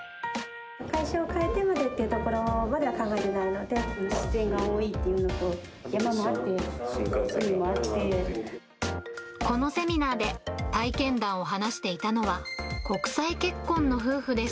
会社を変えてまでっていうと自然が多いというのと、このセミナーで体験談を話していたのは、国際結婚の夫婦です。